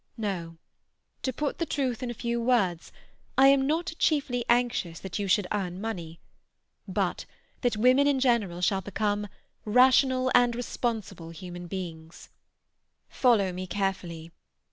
No; to put the truth in a few words, I am not chiefly anxious that you should earn money, but that women in general shall become rational and responsible human beings. "Follow me carefully.